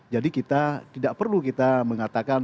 jadi kita tidak perlu kita mengatakan